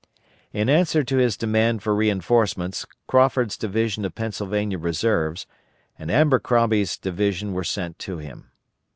In answer to his demand for reinforcements, Crawford's division of Pennsylvania Reserves, and Abercrombie's division were sent to him.